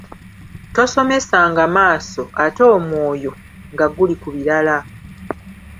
Tosomesanga maaso ate omwoyo nga guli ku birala.